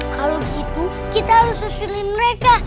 kalau gitu kita harus susirin mereka